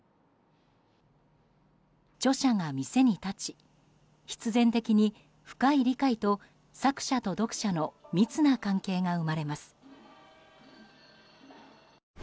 著者が店に立ち、必然的に深い理解と作者と読者の密な関係が生まれます。